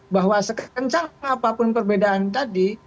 bahwa sekencang apapun perbedaan tadi